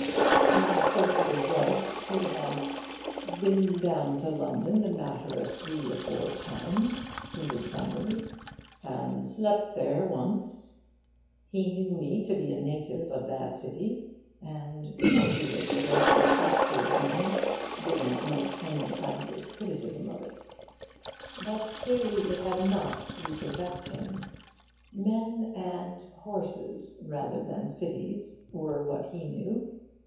In the course of his life he had 'bin down to London a matter o' three or four times,' he would tell me, 'an' slep' there once.' He knew me to be a native of that city, and, for he was the most respectful of men, did not make any adverse criticism of it. But clearly it had not prepossessed him. Men and horses rather than cities were what he knew.